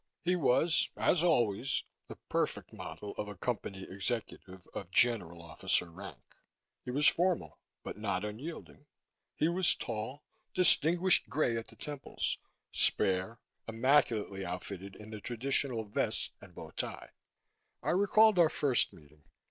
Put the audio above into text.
He was, as always, the perfect model of a Company executive of general officer rank. He was formal, but not unyielding. He was tall, distinguished gray at the temples, spare, immaculately outfitted in the traditional vest and bow tie. I recalled our first meeting.